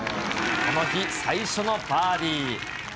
この日、最初のバーディー。